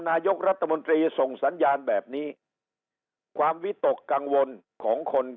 นายกรัฐมนตรีส่งสัญญาณแบบนี้ความวิตกกังวลของคน